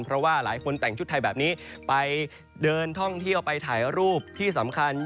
เพราะว่าหลายคนแต่งชุดไทยแบบนี้ไปเดินท่องเที่ยวไปถ่ายรูปที่สำคัญ